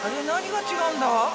何がちがうんだ？